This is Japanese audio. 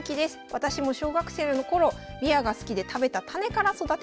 私も小学生の頃びわが好きで食べた種から育てました。